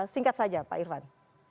singkat saja pak irfan